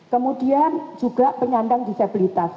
kemudian juga penyandang disabilitas